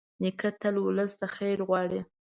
نیکه تل ولس ته خیر غواړي.